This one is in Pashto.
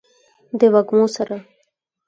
د وږمو سره